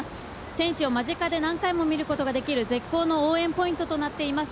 選手を間近で何回も見ることができる絶好の応援ポイントとなっています。